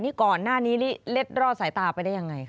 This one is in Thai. นี่ก่อนหน้านี้เล็ดรอดสายตาไปได้ยังไงคะ